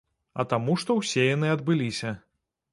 А таму што ўсе яны адбыліся.